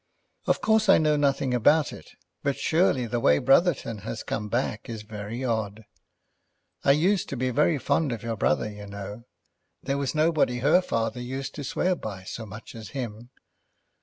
"Of course I know nothing about it; but surely the way Brotherton has come back is very odd. I used to be very fond of your brother, you know. There was nobody her father used to swear by so much as him.